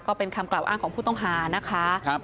ก็เป็นคำกล่าวอ้างของผู้ต้องหานะคะ